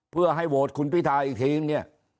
เพื่อให้โหวตคุณพิทาอีกทีเนี่ย